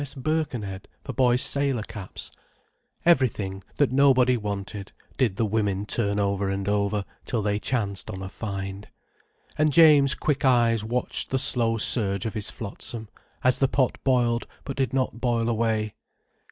M.S. Birkenhead, for boys' sailor caps—everything that nobody wanted, did the women turn over and over, till they chanced on a find. And James' quick eyes watched the slow surge of his flotsam, as the pot boiled but did not boil away.